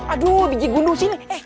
aduh biji gundu sini